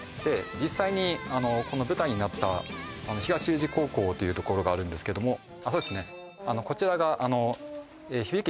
実際にあのこの舞台になった東宇治高校というところがあるんですけどもあのこちらがあの「響け！